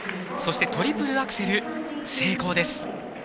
そしてトリプルアクセル成功です。